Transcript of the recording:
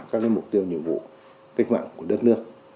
các mục tiêu nhiệm vụ cách mạng của đất nước